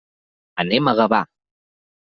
Anem a Gavà.